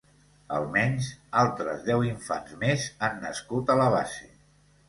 Almenys altres deu infants més han nascut a la base.